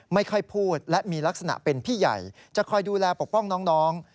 ไม่ค่อยพูดและมีลักษณะเป็นพี่ใหญ่จะคอยดูแลปกป้องน้อง